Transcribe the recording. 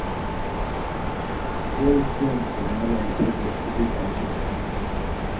Kyautyen kole ngololi Chebet kutitab kifaransa